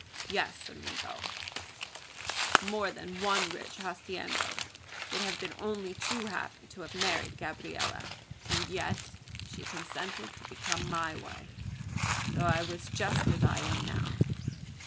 "Yes, amigo! more than one rich haciendado would have been only too happy to have married Gabriella; and yet she consented to become my wife, though I was just as I am now.